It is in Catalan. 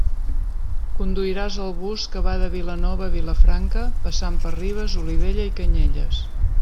Conduiràs el bus que va de Vilanova a Vilafranca passant per Ribes, Olivella i Canyelles.